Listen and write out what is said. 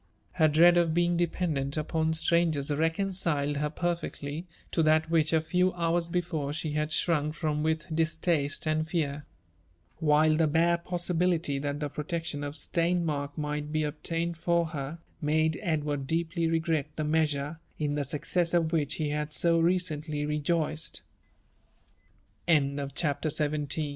Her dread of being dependant upon strangers reconciled her perfectly to that which a few hours be fore she had shrunk from with distaste and fear ; while the bare pos flibility that the protection of Steinmark might be obtained for her, made Edward deeply regret the measure, in the success of which he had so recently rejoiced . CHAPTER XVin. *' As s